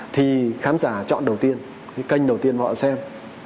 thì khán giả chọn đầu tiên cái kênh đầu tiên họ xem